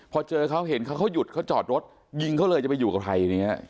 พอเจอเขาเห็นเขาหยุดเขาจอดรถยิงเขาเลยจะไปอยู่กับใครอย่างนี้